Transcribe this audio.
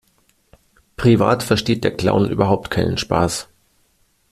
Privat versteht der Clown überhaupt keinen Spaß.